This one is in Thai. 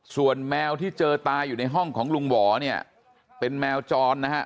ส่วนแมวที่เจอตายอยู่ในห้องของลุงหวอเนี่ยเป็นแมวจรนะฮะ